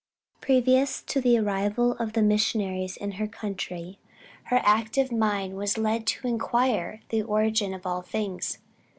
Previous to the arrival of the missionaries in her country, her active mind was led to inquire the origin of all things.